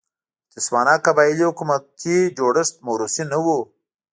د تسوانا قبایلي حکومتي جوړښت موروثي نه و.